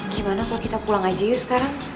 gimana kalau kita pulang aja yuk sekarang